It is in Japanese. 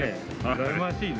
羨ましいね。